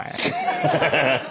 ハハハハッ！